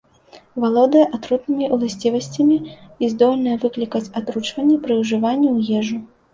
Валодае атрутнымі ўласцівасцямі і здольная выклікаць атручванне пры ўжыванні ў ежу.